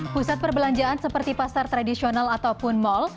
pusat perbelanjaan seperti pasar tradisional ataupun mal